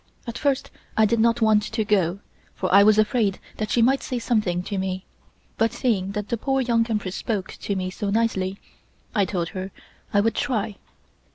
At first I did not want to go, for I was afraid that she might say something to me, but seeing that the poor Young Empress spoke to me so nicely, I told her I would try.